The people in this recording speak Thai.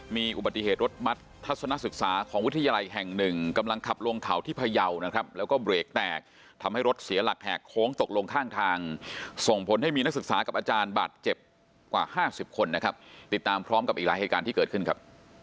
มีอุบัติเหตุรถมัดทัศนศึกษาของวิทยาลัยแห่งหนึ่งกำลังขับลงเขาที่พยาวนะครับแล้วก็เบรกแตกทำให้รถเสียหลักแหกโค้งตกลงข้างทางส่งผลให้มีนักศึกษากับอาจารย์บาดเจ็บกว่า๕๐คนนะครับติดตามพร้อมกับอีกหลายเหตุการณ์ที่เกิดขึ้นครับ